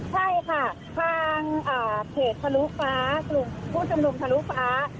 ใช่ค่ะทางเพจทะลุฟ้ากลุ่มผู้ชุมนุมทะลุฟ้า